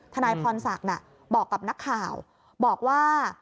ทนายพรศักดิ์บอกกับนักข่าวบอกว่า